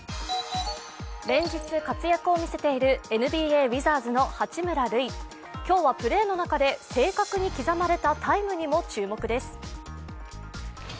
連日活躍を見せているＮＢＡウィザーズの八村塁、今日はプレーの中で正確に刻まれたタイムにも注目です。